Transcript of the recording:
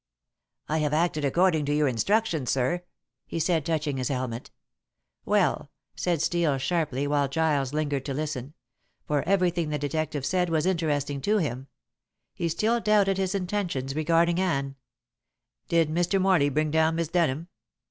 "I have acted according to your instructions, sir," he said, touching his helmet. "Well," said Steel sharply while Giles lingered to listen for everything the detective said was interesting to him; he still doubted his intentions regarding Anne "did Mr. Morley bring down Miss Denham?"